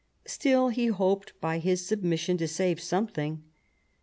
Still he hoped by his submission to save something.